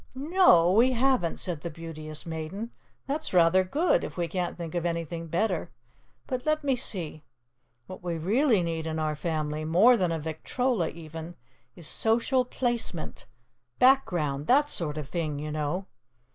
"No o, we haven't," said the Beauteous Maiden. "That's rather good, if we can't think of anything better. But, let me see. What we really need in our family, more than a victrola, even, is Social Placement, Background, that sort of thing, you know.